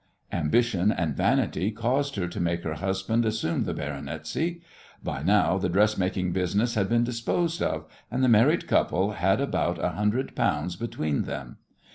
Ambition and vanity caused her to make her husband assume the baronetcy. By now the dressmaking business had been disposed of, and the married couple had about a hundred pounds between them.